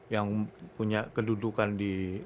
yang punya kedudukan di